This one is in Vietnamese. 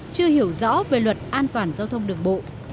chưa hiểu rõ về luật an toàn giao thông đường bộ